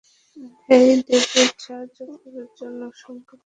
হেই David, সাহায্য করার জন্য অসংখ্য ধন্যবাদ!